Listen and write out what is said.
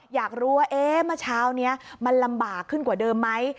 อยากรู้ว่าเมื่อเช้านี้มันลำบากขึ้นกว่าเดิมไหม